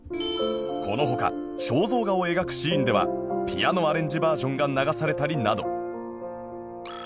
この他肖像画を描くシーンではピアノアレンジバージョンが流されたりなど